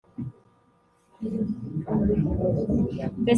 Mbese mutegetsi w’iyo mu biro